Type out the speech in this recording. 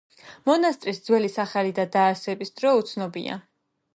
მონასტრის ძველი სახელი და დაარსების დრო უცნობია.